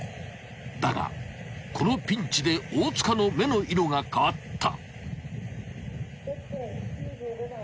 ［だがこのピンチで大塚の目の色が変わった］